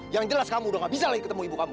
yang jelas kamu udah gak bisa lagi ketemu ibu kamu